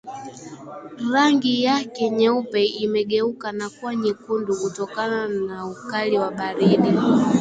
Rangi yake nyeupe imegeuka na kuwa nyekundu kutokana na ukali wa baridi